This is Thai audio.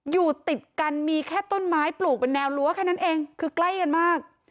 อยู่ติดกันมีแค่ต้นไม้ปลูกเป็นแนวรั้วแค่นั้นเองคือใกล้กันมาก